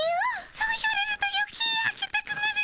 そう言われるとよけい開けたくなるっピィ。